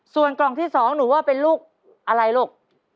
ส่วนกล่องที่๒หนูว่าเป็นลูกอะไรลูก